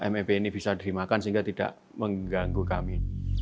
mep ini bisa dimakan sehingga tidak mengganggu kami